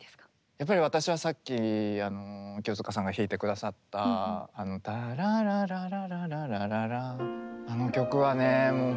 やっぱり私はさっき清塚さんが弾いて下さったタラララララララララ。